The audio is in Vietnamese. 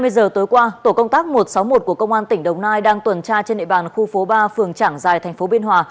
hai mươi giờ tối qua tổ công tác một trăm sáu mươi một của công an tỉnh đồng nai đang tuần tra trên nệ bàn khu phố ba phường trảng giài thành phố biên hòa